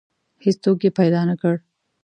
هیڅوک یې پیدا نه کړ.